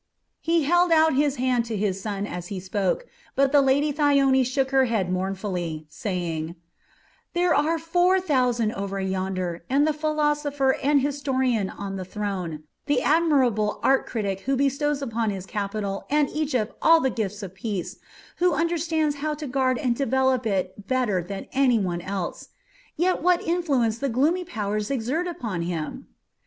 He held out his hand to his son as he spoke, but the Lady Thyone shook her head mournfully, saying: "There are four thousand over yonder; and the philosopher and historian on the throne, the admirable art critic who bestows upon his capital and Egypt all the gifts of peace, who understands how to guard and develop it better than any one else yet what influence the gloomy powers exert upon him!"